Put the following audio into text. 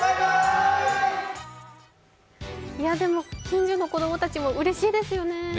近所の子供たちもうれしいですよね。